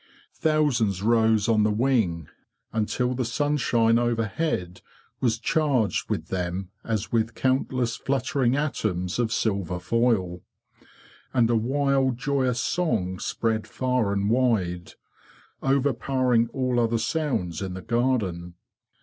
Thousands rose on the wing, until the sun shine overhead was charged with them as with countless fluttering atoms of silver foil; and a wild joyous song spread far and wide, overpowering all ether sounds in the garden.